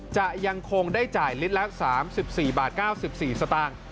จะยังคงได้จ่ายลิตรละ๓๔บาท๙๔สตางค์